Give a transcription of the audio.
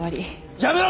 やめろ！